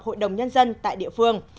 hội đồng nhân dân tại địa phương